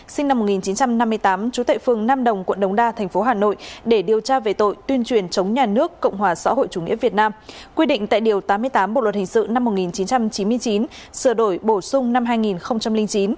sinh năm một nghìn chín trăm năm mươi tám trú tại phường nam đồng quận đống đa thành phố hà nội để điều tra về tội tuyên truyền chống nhà nước cộng hòa xã hội chủ nghĩa việt nam quy định tại điều tám mươi tám bộ luật hình sự năm một nghìn chín trăm chín mươi chín sửa đổi bổ sung năm hai nghìn chín